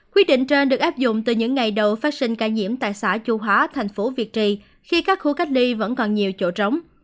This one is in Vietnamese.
quy định trên được áp dụng từ những ngày đầu phát sinh ca nhiễm tại xã chu hóa thành phố việt trì khi các khu cách ly vẫn còn nhiều chỗ trống